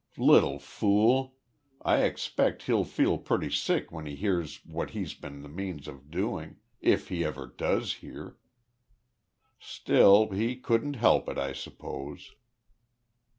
"Little fool! I expect he'll feel pretty sick when he hears what he's been the means of doing if he ever does hear. Still he couldn't help it, I suppose."